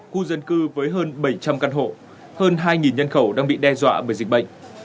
khu dân cư với hơn bảy trăm linh căn hộ hơn hai nhân khẩu đang bị đe dọa bởi dịch bệnh